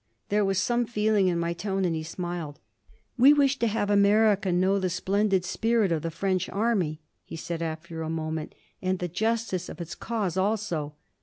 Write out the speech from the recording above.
There was some feeling in my tone, and he smiled. "We wish to have America know the splendid spirit of the French Army," he said after a moment. "And the justice of its cause also."